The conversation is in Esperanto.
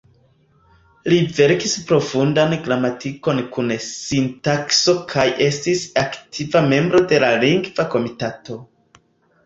Li verkis profundan gramatikon kun sintakso kaj estis aktiva membro de la Lingva Komitato.